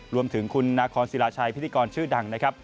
รวมถึงคุณนาคอนศิลาชัยพิธีกรชื่อดังนะครับ